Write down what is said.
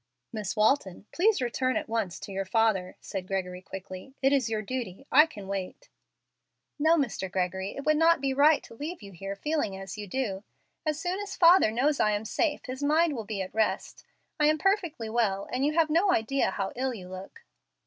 "Miss Walton, please return at once to your father," said Gregory, quickly. "It is your duty. I can wait." "No, Mr. Gregory, it would not be right to leave you here, feeling as you do. As soon as father knows I am safe his mind will be at rest. I am perfectly well, and you have no idea how ill you look."